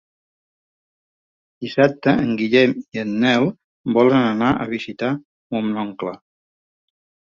Dissabte en Guillem i en Nel volen anar a visitar mon oncle.